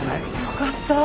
よかった。